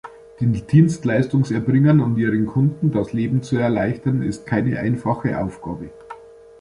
Den Dienstleistungserbringern und ihren Kunden das Leben zu erleichtern, ist keine einfache Aufgabe.